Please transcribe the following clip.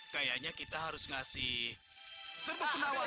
kayaknya kita harus ngasih serbuk penawar